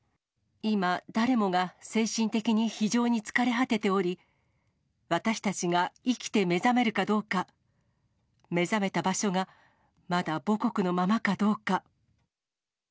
今、誰もが精神的に非常に疲れ果てており、私たちが生きて目覚めるかどうか、目覚めた場所がまだ母国のままかどうか。